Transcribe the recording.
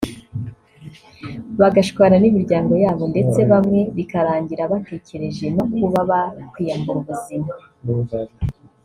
bagashwana n’imiryango yabo ndetse bamwe bikarangira batekereje no kuba bakwiyambura ubuzima